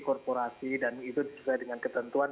korporasi dan itu sesuai dengan ketentuan